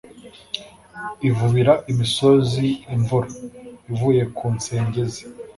Ivubira imisozi imvura ivuye ku nsenge ze